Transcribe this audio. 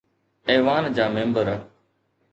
ايوان جا ميمبر